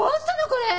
これ。